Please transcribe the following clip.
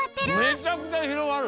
めちゃくちゃひろがる！